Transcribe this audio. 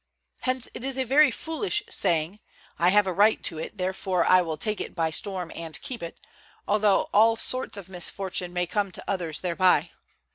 Hence, it is a very foolish saying: I have a right to it, therefore I will take it by storm and keep it, although all sorts of misfortune may come to others thereby.